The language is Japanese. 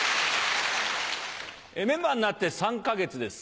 メンバーになって３か月です。